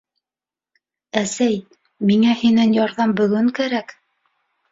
Әсәй... миңә һинән ярҙам бөгөн кәрәк...